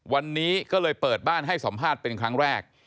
วันนี้ก็เลยเปิดบ้านให้สัมภาษณ์เป็นครั้งแรก